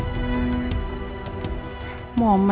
tidak ada apa apa papa